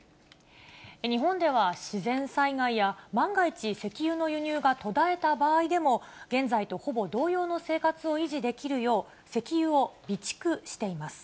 日本では、自然災害や万が一、石油の輸入が途絶えた場合でも、現在とほぼ同様の生活を維持できるよう、石油を備蓄しています。